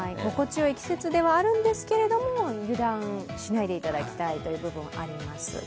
心地よい季節ではあるんですけれども油断しないでいただきたい部分あります。